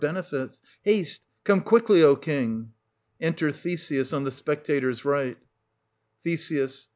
benefits. Haste, come quickly, O king ! Enter THESEUS, on the spectators' right, 1500 Th.